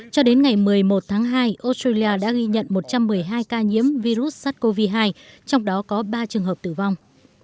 cho đến ngày một mươi một tháng hai australia đã ghi nhận một trăm một mươi hai ca nhiễm virus sars cov hai trong đó có ba trường hợp tử vong